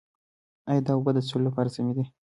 ایا دا اوبه د څښلو لپاره سمې دي؟